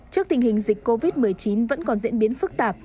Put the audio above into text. trước tình hình dịch covid một mươi chín vẫn còn diễn biến phức tạp